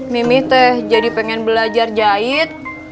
mimi teh jadi pengen belajar jahit